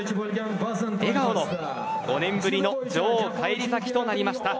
笑顔の５年ぶりの女王返り咲きとなりました。